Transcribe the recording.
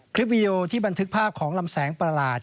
วิดีโอที่บันทึกภาพของลำแสงประหลาด